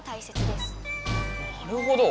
なるほど！